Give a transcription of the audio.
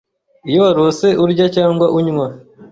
iyo warose urya cyangwa unywa